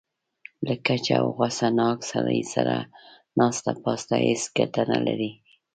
له کچه او غوسه ناک سړي سره ناسته پاسته هېڅ ګټه نه لري.